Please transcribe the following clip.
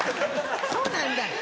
そうなんだ。